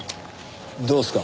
どうですか？